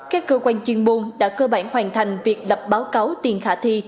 các cơ quan chuyên môn đã cơ bản hoàn thành việc lập báo cáo tiền khả thi